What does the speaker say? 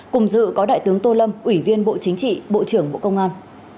cùng dự có đại tướng tô lâm ủy viên bộ chính trị bộ trưởng bộ công an